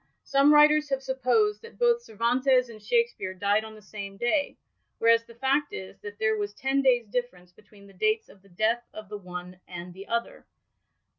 "Some writers have supposed that hoth Cervantes and Shakspeare died on the same day, whereas the fact is, that there was ten days* difference between the dates of the death of the one and the other.